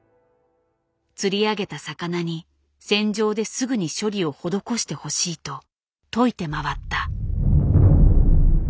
釣り上げた魚に船上ですぐに処理を施してほしいと説いて回った。